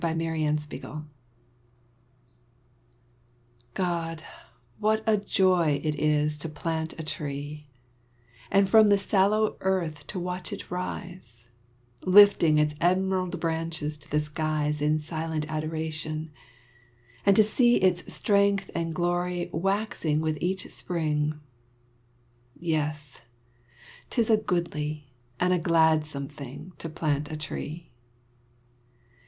GO PLANT A TREE God, what a joy it is to plant a tree, And from the sallow earth to watch it rise, Lifting its emerald branches to the skies In silent adoration; and to see Its strength and glory waxing with each spring. Yes, 'tis a goodly, and a gladsome thing To plant a tree.